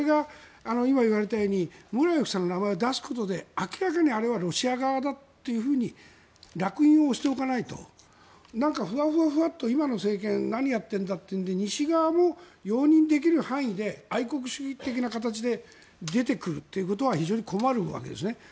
今、言われたようにムラエフさんの名前を出すことで明らかにあれはロシア側だとらく印を押しておかないとなんかフワフワと今の政権何やってるんだというので西側も容認できる範囲で愛国主義的な形で出てくるということは非常に困るわけですね。